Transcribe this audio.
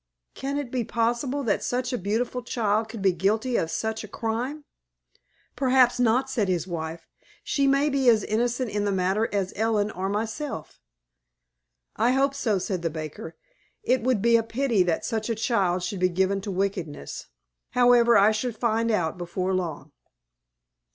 Can it be possible that such a beautiful child could be guilty of such a crime?" "Perhaps not," said his wife. "She may be as innocent in the matter as Ellen or myself." "I hope so," said the baker; "it would be a pity that such a child should be given to wickedness. However, I shall find out before long."